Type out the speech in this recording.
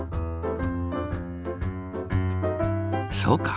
そうか。